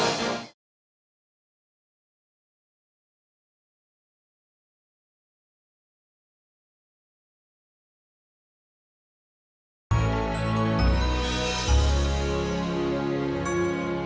tante ya udah